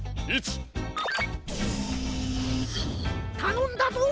たのんだぞ。